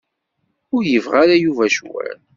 Ur yebɣi ara Yuba ccwal.